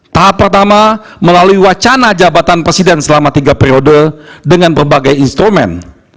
tahap pertama melalui wacana jabatan presiden selama tiga periode dengan berbagai instrumen